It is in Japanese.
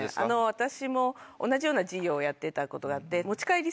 私も同じような事業をやってたことがあって。